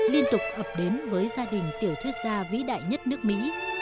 liên tục ập đến với gia đình tiểu thuyết gia vĩ đại nhất nước mỹ